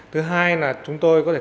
thứ hai là chúng tôi có thể